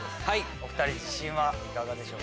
お２人自信はいかがでしょう？